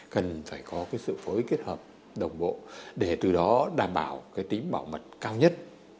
cần phải có cái sự phối kết hợp đồng bộ để từ đó đảm bảo cái tính bảo mật cao nhất